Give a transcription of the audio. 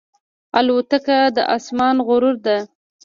الوتکه د آسمان غرور ده.